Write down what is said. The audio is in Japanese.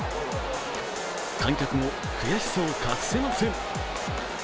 観客も悔しさを隠せません。